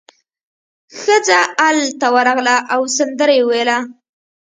ښځه ال ته ورغله او سندره یې وویله.